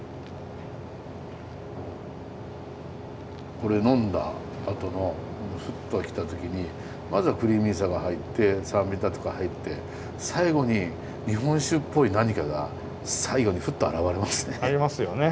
これ飲んだあとのフッときた時にまずはクリーミーさが入って酸味だとか入って最後に日本酒っぽい何かが最後にフッと現れますね。